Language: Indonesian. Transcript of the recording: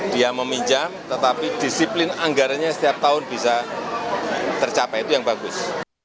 dia meminjam tetapi disiplin anggarannya setiap tahun bisa tercapai itu yang bagus